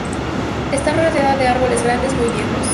Está rodeada de árboles grandes, muy viejos.